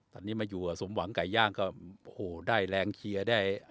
ตอนนี้มาอยู่กับสมหวังไก่ย่างก็โอ้โหได้แรงเชียร์ได้